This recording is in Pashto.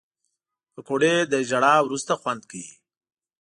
پکورې له ژړا وروسته خوند کوي